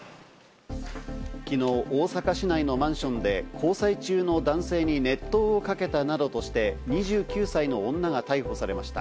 昨日、大阪市内のマンションで交際中の男性に熱湯をかけたなどとして２９歳の女が逮捕されました。